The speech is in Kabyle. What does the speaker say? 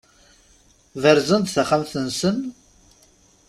Berzen-d taxxamt-nsen?